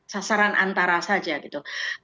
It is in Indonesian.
sasaran antara saja gitu